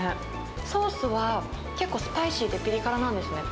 ソースは結構スパイシーで、ピリ辛なんですね。